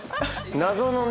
謎のね